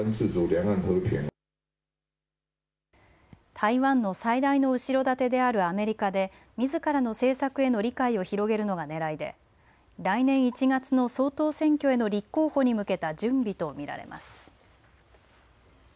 台湾の最大の後ろ盾であるアメリカでみずからの政策への理解を広げるのがねらいで来年１月の総統選挙への立候補に向けた準備と見られます。